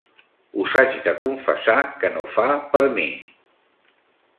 Us haig de confessar que no fa per mi